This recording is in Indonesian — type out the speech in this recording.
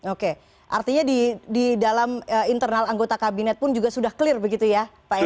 oke artinya di dalam internal anggota kabinet pun juga sudah clear begitu ya pak edi